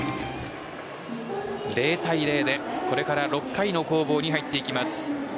０対０でこれから６回の攻防に入っていきます。